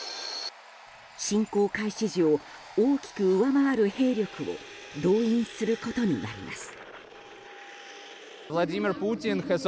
侵攻開始時を大きく上回る兵力を動員することになります。